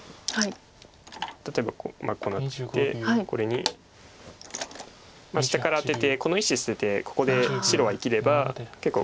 例えばこうなってこれに下からアテてこの１子捨ててここで白は生きれば結構。